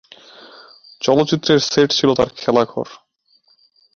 চলচ্চিত্রের সেট ছিলো তার খেলাঘর।